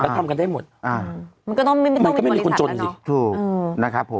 แล้วทำกันได้หมดอ่ามันก็ต้องมีมันก็ไม่มีบริษัทแล้วเนอะมันก็ไม่มีบริษัทถูกอืมนะครับผม